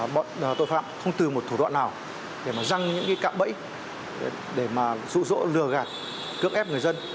bọn tội phạm không từ một thủ đoạn nào để mà răng những cái cạm bẫy để mà rô rỗ lừa gạt cướp ép người dân